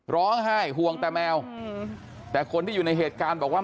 ร้องไห้ห่วงแต่แมวแต่คนที่อยู่ในเหตุการณ์บอกว่า